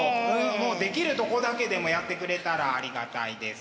もうできるとこだけでもやってくれたらありがたいです。